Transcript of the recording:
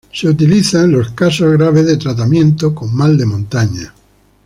Es utilizado por los casos graves de tratamiento con mal de montaña.